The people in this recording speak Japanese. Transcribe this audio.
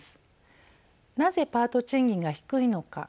なぜパート賃金が低いのか。